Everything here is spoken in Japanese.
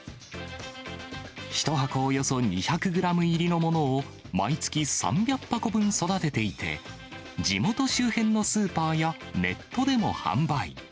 １箱およそ２００グラム入りのものを、毎月３００箱分育てていて、地元周辺のスーパーやネットでも販売。